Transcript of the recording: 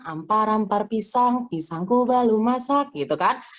ampar ampar pisang pisangku baru masak gitu kan